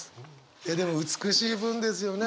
えっでも美しい文ですよね